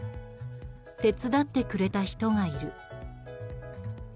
手伝ってくれた人がいる。